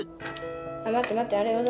待って待って、あれ？